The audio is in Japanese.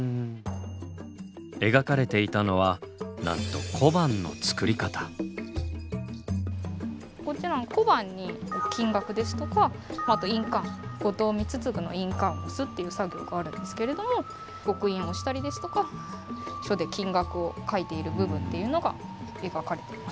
描かれていたのはなんとこっちなんかは小判に金額ですとかあと印鑑後藤光次の印鑑を押すっていう作業があるんですけれども刻印をしたりですとか金額を書いている部分っていうのが描かれています。